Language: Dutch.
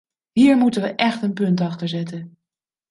Hier moeten we echt een punt achter zetten.